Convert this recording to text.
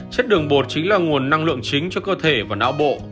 chất đường bột chính là nguồn năng lượng chính cho cơ thể và não bộ